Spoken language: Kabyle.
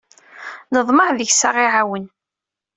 Neḍmeɛ deg-s ad aɣ-iɛawen.